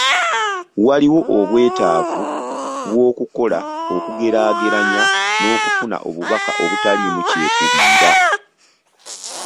Waaliwo obwetaavu bw’okukola okugeraageranya n’okufuna obubaka obutaliimu kyekubiira.